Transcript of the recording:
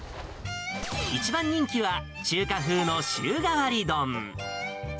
一番人気は中華風の週替わり丼。